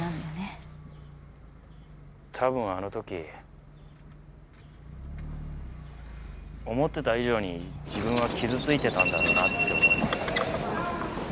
多分あの時思ってた以上に自分は傷ついてたんだろうなって思います。